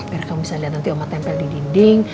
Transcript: biar kamu bisa lihat nanti ombak tempel di dinding